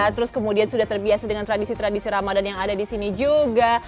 terus kemudian sudah terbiasa dengan tradisi tradisi ramadan yang ada di sini juga